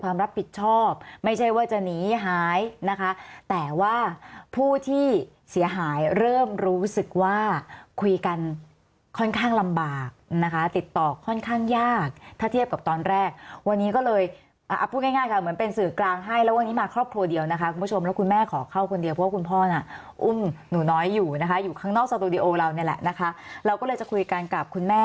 รับผิดชอบไม่ใช่ว่าจะหนีหายนะคะแต่ว่าผู้ที่เสียหายเริ่มรู้สึกว่าคุยกันค่อนข้างลำบากนะคะติดต่อค่อนข้างยากถ้าเทียบกับตอนแรกวันนี้ก็เลยอ่าพูดง่ายง่ายค่ะเหมือนเป็นสื่อกลางให้แล้ววันนี้มาครอบครัวเดียวนะคะคุณผู้ชมแล้วคุณแม่ขอเข้าคนเดียวเพราะว่าคุณพ่อน่ะอุ้มหนูน้อยอยู่นะคะอยู่ข้างนอกสตูดิโอเรานี่แหละนะคะเราก็เลยจะคุยกันกับคุณแม่